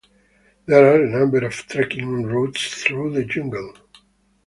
There are a number of trekking routes through the jungle.